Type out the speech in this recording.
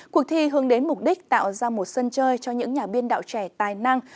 cuộc thi hướng đến mục đích tạo ra một sân chơi cho những nhà biên đạo trẻ tài năng